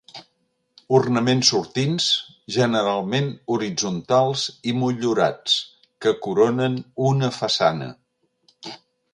Ornaments sortints, generalment horitzontals i motllurats, que coronen una façana.